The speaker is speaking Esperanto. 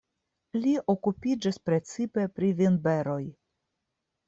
Li okupiĝis precipe pri vinberoj.